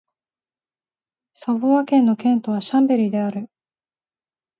サヴォワ県の県都はシャンベリである